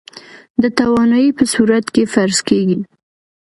د توانايي په صورت کې فرض کېږي.